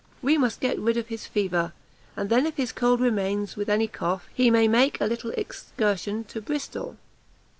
We must get rid of his fever, and then if his cold remains, with any cough, he may make a little excursion to Bristol."